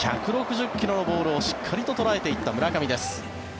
１６０ｋｍのボールをしっかりと捉えていった村上です。